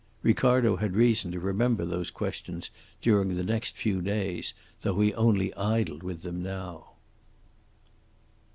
Ricardo had reason to remember those questions during the next few days, though he only idled with them now.